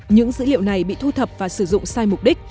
những dữ liệu này bị thu thập và sử dụng sai mục đích